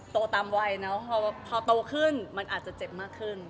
ตามวัยเนอะพอโตขึ้นมันอาจจะเจ็บมากขึ้น